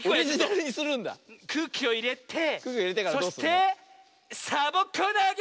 くうきをいれてそしてサボ子なげ！